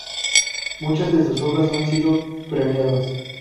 Muchas de sus obras han sido premiadas.